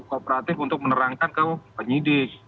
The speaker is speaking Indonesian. kooperatif untuk menerangkan ke penyidik